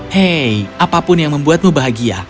hei apapun yang membuatmu bahagia